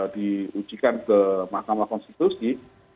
diujikan ke mahkamah konstitusi